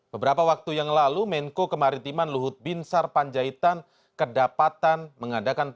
beberapa waktu yang lalu menko kemaritiman luhut binsar panjaitan kedapatan mengadakan